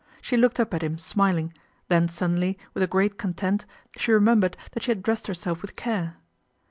She looked up at him smiling, then suddenly with a great content she remembered that she had I dressed herself with care.